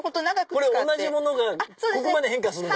同じものがここまで変化するの？